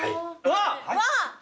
わっ！